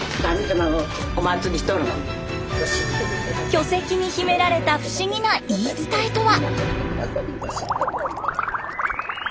巨石に秘められた不思議な言い伝えとは？